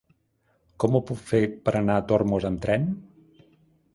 Com ho puc fer per anar a Tormos amb tren?